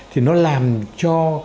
thì nó làm cho